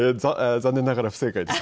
残念ながら不正解です。